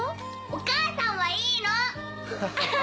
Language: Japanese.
お母さんはいいの！ハハハ。